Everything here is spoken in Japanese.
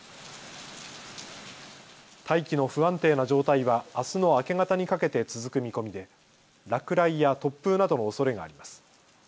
大気の不安定な状態はあすの明け方にかけて続く見込みで落雷や突風などのおそれがあります。